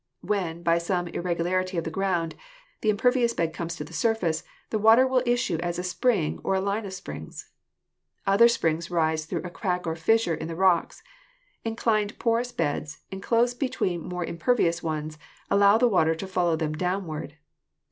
When, by some irregular ity of the ground, the impervious bed comes to the surface, the water will issue as a spring or a line of springs. Other springs rise through a crack or fissure in the rocks. Inclined porous beds, enclosed between more im pervious ones, allow the water to follow them downward.